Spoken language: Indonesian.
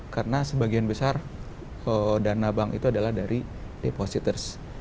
karena sebagian besar dana bank itu adalah dari depositors